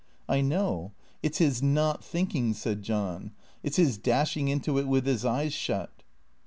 " I know. It 's his not thinking," said John ;" it 's his dash ing into it with his eyes shut."